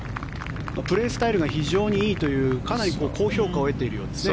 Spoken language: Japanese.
プレースタイルが非常にいいというかなり高評価を得ているようですね